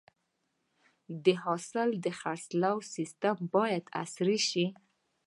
د حاصل د خرڅلاو سیستم باید عصري شي.